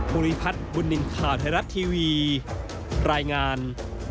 ภูริพัฒน์บุญนินทร์ข่าวไทยรัฐทีวีรายงาน